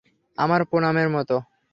আমার পুনামের মতো।